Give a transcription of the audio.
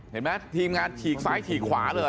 เห็นไหมทีมงานฉีกซ้ายฉีกขวาเลย